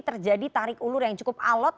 terjadi tarik ulur yang cukup alot